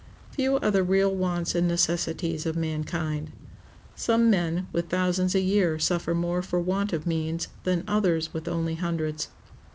Few are the real wants and necessities of mankind. Some men with thousands a year suffer more for want of means than others with only hundreds.